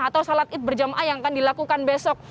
atau salat id berjamaah yang akan dilakukan besok